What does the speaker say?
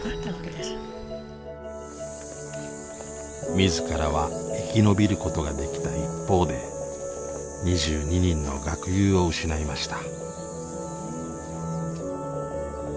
自らは生き延びることができた一方で２２人の学友を失いました。